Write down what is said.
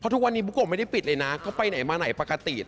เพราะทุกวันนี้กลกไม่ได้ปิดเลยนะก็ไปไหนมาไหนปกติ